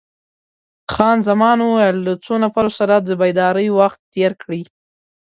خان زمان وویل: له څو نفرو سره د بېدارۍ وخت تیر کړی؟